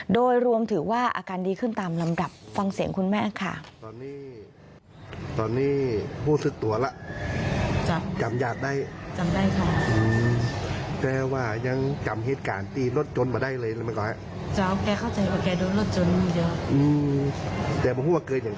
โดยรวมถือว่าอาการดีขึ้นตามลำดับฟังเสียงคุณแม่ค่ะ